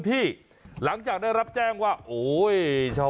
แบบนี้คือแบบนี้คือแบบนี้คือแบบนี้คือ